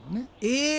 え！